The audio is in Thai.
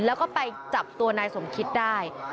แล้วก็ไปจับตัวนายสมคิตได้